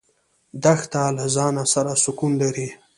دښته له ځانه سره سکون لري.